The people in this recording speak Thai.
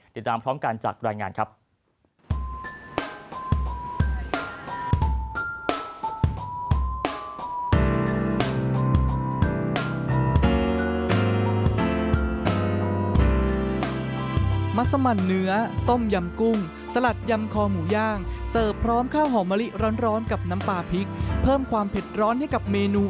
ติดตามพร้อมกันจากรายงานครับ